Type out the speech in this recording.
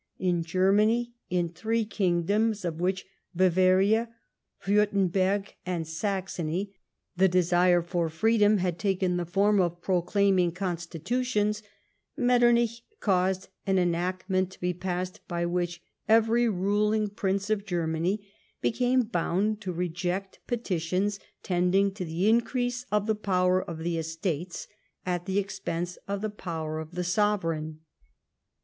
In Germany, in three kingdoms of which — Bavaria, Wiirtem berg, and Saxony — the desire for freedom had taken the form of proclaiming constitutions, Metternich caused an enactment to be passed by which every ruling prince of Germany became bound to reject petitions tending to the increase of the power of the Estates at the expense of the power of the sovereign.